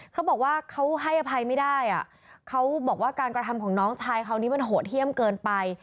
เขาบอกว่าเขาให้อภัยไม่ได้เขาบอกว่าการกระทำของน้องชายเขานี้มันโหดเยี่ยมเกินไป